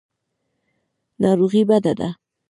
ناروغي بده ده.